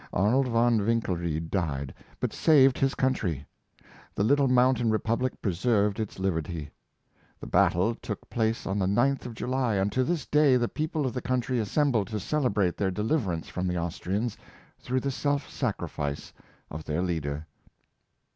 Arnold von Winkelried died, but saved his country. The little mountain republic preserved its liberty. The battle took place on the 9th of July, and to this day the peo ple of the country assemble to celebrate their deliver ance from the Austrians, through the self sacrifice of their leader.